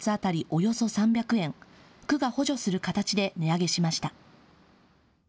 およそ３００円、区が補助する形で値上げしました。